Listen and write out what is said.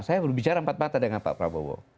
saya berbicara empat mata dengan pak prabowo